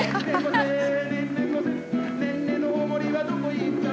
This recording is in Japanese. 「ねんねのお守りはどこへ行った」